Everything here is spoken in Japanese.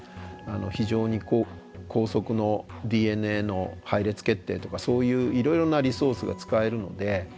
非常に高速のＤＮＡの配列決定とかそういういろいろなリソースが使えるので。